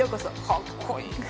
かっこいい！